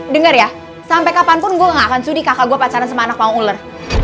dengar ya sampai kapanpun gue gak akan sudi kakak gue pacaran sama anak mau ular